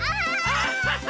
アッハハ！